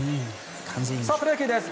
さあ、プロ野球です。